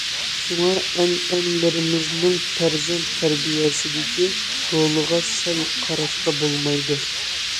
شۇڭا ئەنئەنىلىرىمىزنىڭ پەرزەنت تەربىيەسىدىكى رولىغا سەل قاراشقا بولمايدۇ.